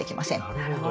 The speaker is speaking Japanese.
なるほど。